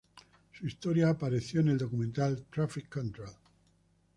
Su historia apareció en el documental, "Traffic Control".